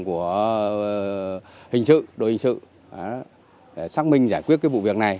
của hình sự đội hình sự để xác minh giải quyết cái vụ việc này